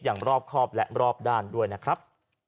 รอบครอบและรอบด้านด้วยนะครับ